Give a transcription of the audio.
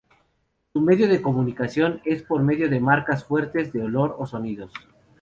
Su medio de comunicación es por medio de marcas fuertes de olor o sonidos.